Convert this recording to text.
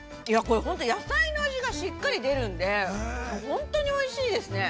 ◆本当、野菜の味がしっかり出るんで、本当においしいですね。